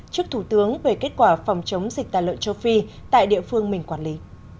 trước thủ tướng về kết quả phòng chống dịch tả lợn châu phi tại địa phương mình quản lý